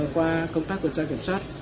qua công tác của trang kiểm soát